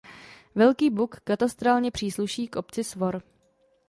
Velký Buk katastrálně přísluší k obci Svor.